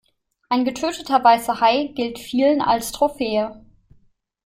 Ein getöteter weißer Hai gilt vielen als Trophäe.